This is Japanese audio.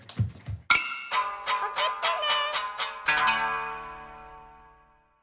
おくってね。